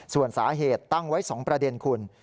ส่วนสาเหตุตั้งไว้๒ประเด็นคุณ